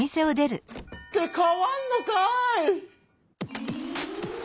ってかわんのかい！